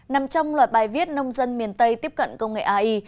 nằm trong loạt bài viết nông dân miền tây tiếp cận công nghệ ai